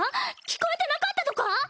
聞こえてなかったとか？